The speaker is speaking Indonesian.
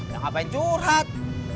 ya ngapain curhat